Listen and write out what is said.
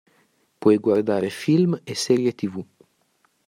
Puoi guardare film e serie tv.